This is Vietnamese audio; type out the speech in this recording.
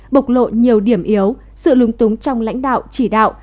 bộc lộ nhiều điểm yếu sự lúng túng trong lãnh đạo chỉ đạo